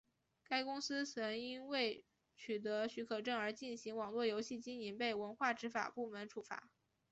该公司曾因未取得许可证而进行网络游戏经营被文化执法部门处罚。